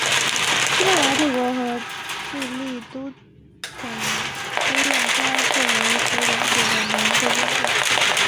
西班牙帝国和智利都督用它作为其领土的南部边界。